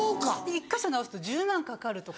１か所直すと１０万かかるとか。